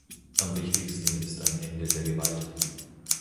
Am Wichtigsten ist ein Ende der Gewalt.